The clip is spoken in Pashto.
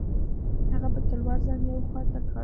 هغه په تلوار ځان یوې خوا ته کړ.